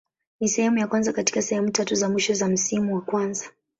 Ni sehemu ya kwanza katika sehemu tatu za mwisho za msimu wa kwanza.